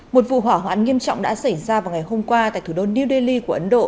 một vụ hỏa hoạn nghiêm trọng đã xảy ra vào ngày hôm qua tại thủ đô new delhi của ấn độ